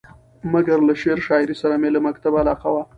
مګر له شعر شاعرۍ سره مې له مکتبه علاقه وه.